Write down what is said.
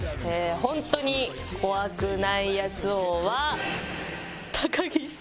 本当に怖くないやつ王は高岸さん。